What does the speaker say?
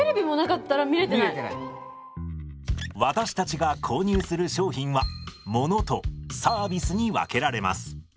私たちが購入する商品はものとサービスに分けられます。